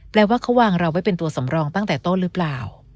แปลว่าเขาวางเราไว้เป็นตัวสำรองตั้งแต่ต้นหรือเปล่า